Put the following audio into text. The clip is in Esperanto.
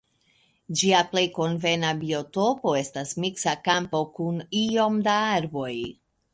Ĝia plej konvena biotopo estas miksa kampo kun iom da arboj.